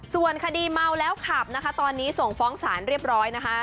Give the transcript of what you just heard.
ส่วนคดีเมาแล้วขับนะคะตอนนี้ส่งฟ้องสารเรียบร้อยนะคะ